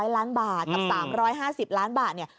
๐ล้านบาทกับ๓๕๐ล้านบาทเนี่ย